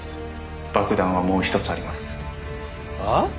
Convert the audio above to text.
「爆弾はもう一つあります」ああ？